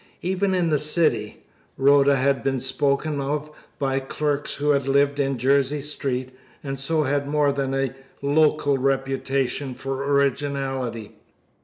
Even in the city, Rhoda had been spoken of by clerks who had lived in Jersey Street, and so had more than a local reputation for originality.